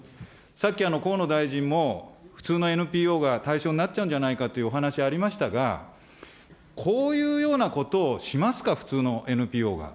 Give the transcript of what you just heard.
さっき河野大臣も、普通のＮＰＯが対象になっちゃうんじゃないかというお話ありましたが、こういうようなことをしますか、普通のＮＰＯが。